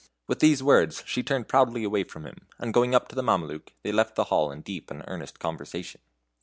With these words she turned proudly away from him, and going up to the Mameluke, they left the hall in deep and earnest conversation.